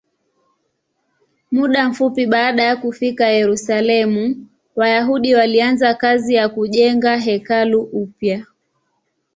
Muda mfupi baada ya kufika Yerusalemu, Wayahudi walianza kazi ya kujenga hekalu upya.